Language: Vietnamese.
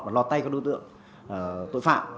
và lọt tay các đối tượng tội phạm